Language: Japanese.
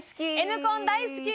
Ｎコン大好き！